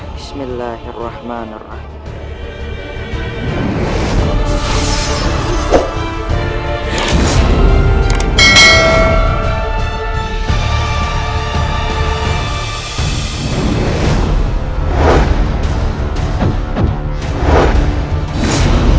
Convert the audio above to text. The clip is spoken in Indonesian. kau tidak akan melawan ayahanda